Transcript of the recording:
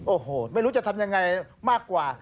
โอ้โหไม่รู้จะทำยังไงมากกว่า